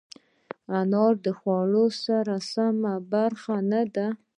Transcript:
انار د خوړو سرسري برخه نه ده.